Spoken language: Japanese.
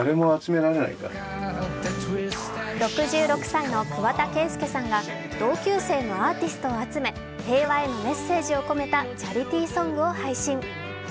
６６歳の桑田佳祐さんが同級生のアーティストを集め、平和へのメッセージを込めたチャリティーソングを配信。